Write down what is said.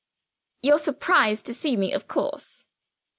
"You're surprised to see me, of course?"